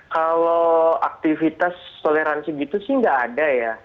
kalau aktivitas toleransi gitu sih nggak ada ya